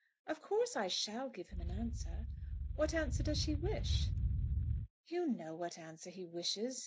"] "Of course I shall give him an answer. What answer does he wish?" "You know what answer he wishes.